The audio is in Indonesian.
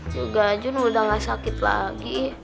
juga jun udah gak sakit lagi